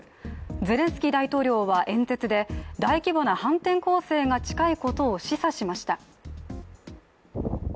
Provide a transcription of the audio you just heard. ゼレンスキー大統領は演説で大規模な反転攻勢が近いことを示唆しました。